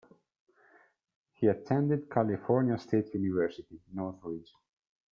He attended California State University, Northridge.